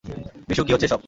বিশু, কী হচ্ছে এসব?